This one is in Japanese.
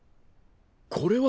これは！